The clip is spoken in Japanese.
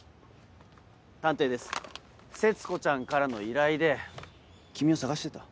探偵です節子ちゃんからの依頼で君を捜してた。